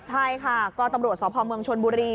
ใช่ค่ะก็ตำรวจสพเมืองชนบุรี